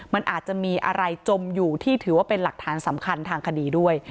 มันอาจจะมีอะไรจมอยู่ที่ถือว่าเป็นหลักฐานสำคัญทางคดีด้วย